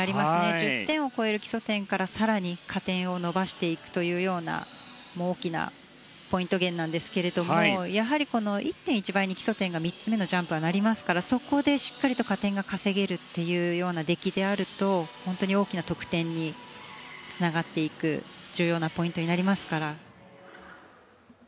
１０点を超える基礎点から更に加点を伸ばしていくというような大きなポイント源ですがやはり１．１倍に基礎点が３つ目のジャンプはなりますからそこでしっかりと加点が稼げるというような出来であると大きな得点につながっていく重要なポイントになりますから。